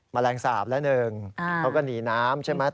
แมลงสาปละหนึ่งเขาก็หนีน้ำใช่ไหม